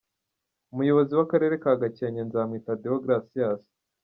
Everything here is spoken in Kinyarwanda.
Umuyobozi w’Akarere ka Gakenke, Nzamwita Deogratias.